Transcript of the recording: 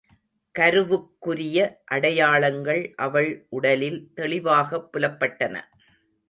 கருவுக்குரிய அடையாளங்கள் அவள் உடலில் தெளிவாகப் புலப்பட்டன.